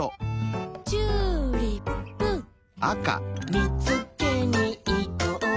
「見つけに行こう」